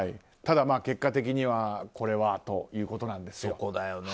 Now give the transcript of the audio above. ただ、結果的にはこれはということなんです。